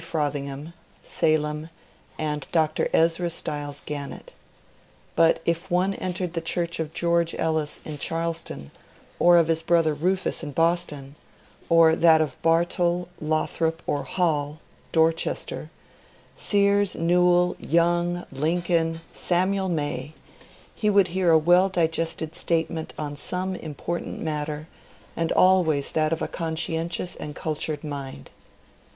Frothingham (Salem), and Dr. Ezra Styles Gannett. But if one entered the church of George Ellis in Charlestown, or of his brother Rufus in Boston, or that of Bartol, Lothrop, or Hall (Dorchester), Sears, Newell, Young, Lincoln, Samuel May, he would hear a well digested statement on some important matter, and always that of a conscientious and cultured mind.